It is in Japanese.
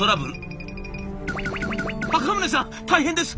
「赤宗さん大変です！